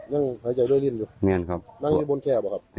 นั่งหายใจด้วยดิ้นอยู่นั่งอยู่บนแคบหรอครับ